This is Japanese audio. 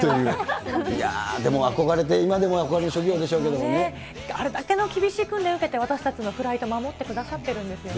いやー、でも、憧れて、あれだけの厳しい訓練を受けて、私たちのフライトを守ってくださってるんですよね。